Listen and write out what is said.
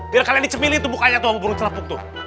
biar kalian dicemilin tuh bukannya tuh burung celapuk tuh